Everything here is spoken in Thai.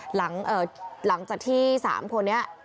หลังจากที่๓คนนี้